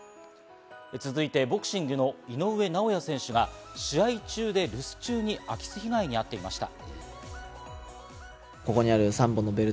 続いて、ボクシングの井上尚弥選手が試合中で留守中に空き巣被害にあっていました。